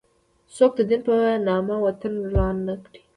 څوک د دین په نامه وطن وران نه کړي.